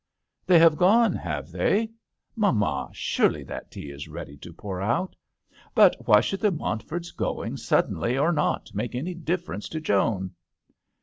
"They have gone, have they? Mamma, surely that tea is ready to pour out? But why should the Montford's going suddenly or not make any difference to Joan